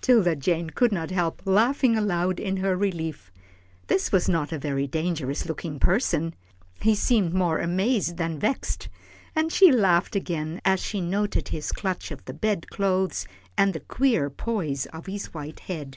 'Tilda Jane could not help laughing aloud in her relief. This was not a very dangerous looking person. He seemed more amazed than vexed, and she laughed again as she noted his clutch of the bed clothes, and the queer poise of his white head.